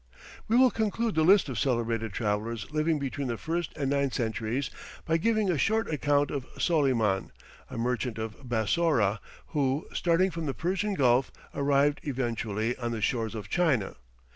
We will conclude the list of celebrated travellers living between the first and ninth centuries, by giving a short account of Soleyman, a merchant of Bassorah, who, starting from the Persian Gulf, arrived eventually on the shores of China.